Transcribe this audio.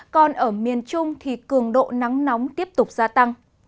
còn ở miền trung thì cường độ nắng nóng tiếp tục gia tăng